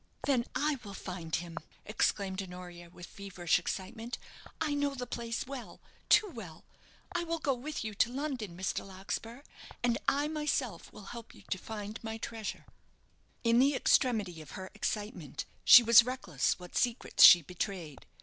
"Then I will find him," exclaimed Honoria, with feverish excitement. "I know the place well too well! I will go with you to London, Mr. Larkspur, and I myself will help you to find my treasure." In the extremity of her excitement she was reckless what secrets she betrayed.